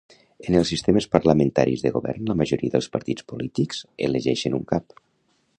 En els sistemes parlamentaris de govern la majoria dels partits polítics elegeixen un cap